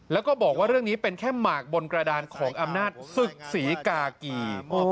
แล้วก็บอกว่าเรื่องนี้เป็นแค่หมากบนกระดานของอำนาจศึกศรีกากี